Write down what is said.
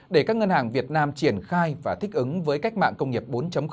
để các ngân hàng việt nam triển khai và thích ứng với cách mạng công nghiệp bốn